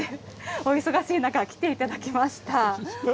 お忙しい中、来ていただきました。